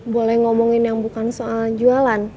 boleh ngomongin yang bukan soal jualan